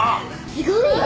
すごいよ。